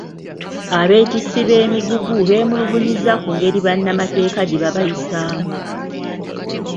Abeetissi b’emigugu, beemulugunyiza kungeri bannamatekka gyebabayisaamu.